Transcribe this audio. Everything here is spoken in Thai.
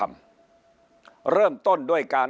ฝ่ายชั้น